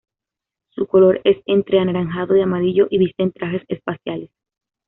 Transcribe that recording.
Su color es entre anaranjado y amarillo y visten trajes espaciales.